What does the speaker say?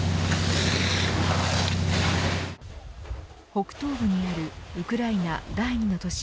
北東部にあるウクライナ第２の都市